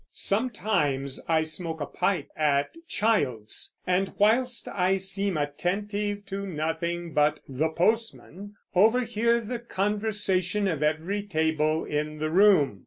Sometimes I smoke a pipe at Child's, and, whilst I seem attentive to nothing but The Postman, overhear the conversation of every table in the room.